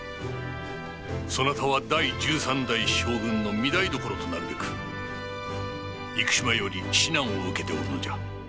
そなたは第１３代将軍の御台所となるべく幾島より指南を受けておるのじゃ。